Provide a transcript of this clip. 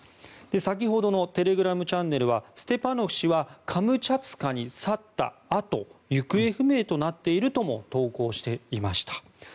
先ほどのテレグラムチャンネルはステパノフ氏はカムチャツカに去ったあと行方不明となっているとも投稿していました。